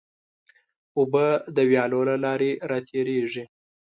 اوبه د ویالو له لارې راتېرېږي.